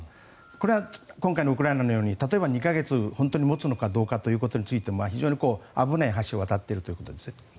これは今回のウクライナのように２か月、本当に持つのかどうかということについて非常に危ない橋を渡っているということですよ。